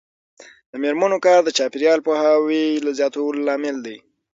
د میرمنو کار د چاپیریال پوهاوي زیاتولو لامل دی.